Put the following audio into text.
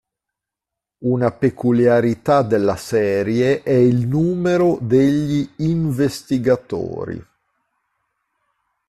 Una peculiarità della serie è il numero degli investigatori.